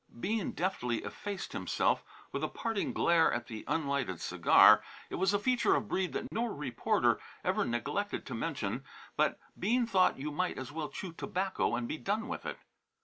Bean deftly effaced himself, with a parting glare at the unlighted cigar. It was a feature of Breede that no reporter ever neglected to mention, but Bean thought you might as well chew tobacco and be done with it.